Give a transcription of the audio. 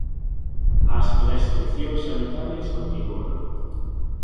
As restricións sanitarias continúan.